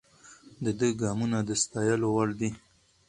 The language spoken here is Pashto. د ده ګامونه د ستایلو وړ دي.